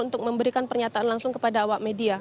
untuk memberikan pernyataan langsung kepada awak media